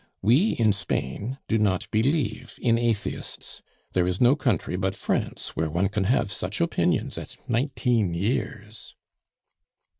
We, in Spain, do not believe in atheists. There is no country but France where one can have such opinions at nineteen years."